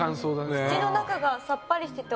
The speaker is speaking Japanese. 口の中がさっぱりしてて。